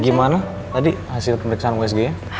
gimana tadi hasil pemeriksaan wsg ya